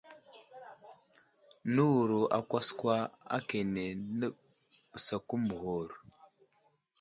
Nəwuro akwaskwa akane təɓəske məghur.